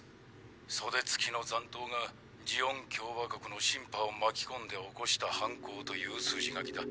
袖付きの残党がジオン共和国のシンパを巻き込んで起こした犯行という筋書きだ。